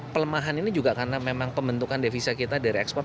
pelemahan ini juga karena memang pembentukan devisa kita dari ekspor